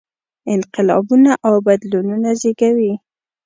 انقلابونه او بدلونونه زېږوي.